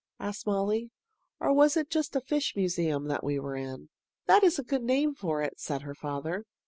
asked Molly. "Or was it just a fish museum that we were in?" "That is a good name for it," said her father.